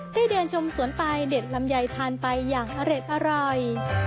ได้เดินชมสวนไปเด็ดลำไยทานไปอย่างอร่อย